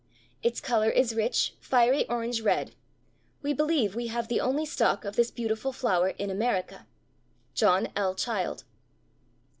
Its color is rich, fiery orange red. We believe we have the only stock of this beautiful flower in America." JOHN L. CHILD.